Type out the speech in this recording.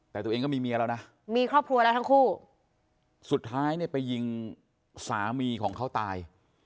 แต่ตัวเองก็มีเมียแล้วนะสุดท้ายไปยิงสามีของเขาตาย